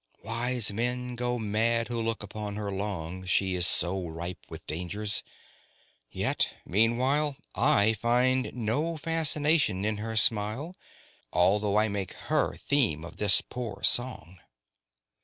Wise men go mad who look upon her long, She is so ripe with dangers. Yet meanwhile I find no fascination in her smile, Although I make her theme of this poor song.